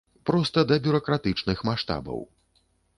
Проста да бюракратычных маштабаў.